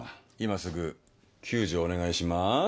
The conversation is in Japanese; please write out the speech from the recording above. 今すぐ救助をお願いします。